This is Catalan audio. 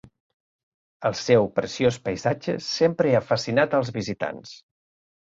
El seu preciós paisatge sempre ha fascinat els visitants.